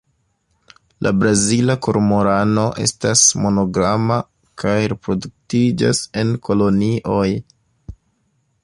La Brazila kormorano estas monogama kaj reproduktiĝas en kolonioj.